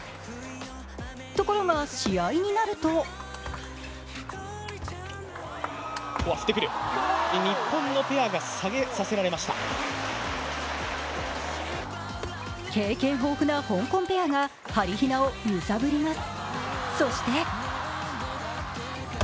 ところが、試合になると経験豊富な香港ペアがはりひなを揺さぶります。